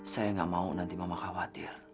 saya nggak mau nanti mama khawatir